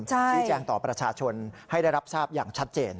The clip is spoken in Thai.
ชี้แจงต่อประชาชนให้ได้รับทราบอย่างชัดเจน